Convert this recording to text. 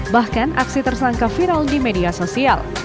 bahkan aksi tersangka viral di media sosial